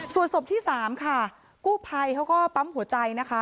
ส่วนศพที่๓ค่ะกู้ภัยเขาก็ปั๊มหัวใจนะคะ